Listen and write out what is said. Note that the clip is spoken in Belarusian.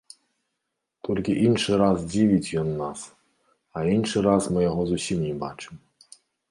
Толькі іншы раз дзівіць ён нас, а іншы раз мы яго зусім не бачым.